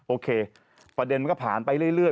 โอเคประเด็นมันก็ผ่านไปเรื่อย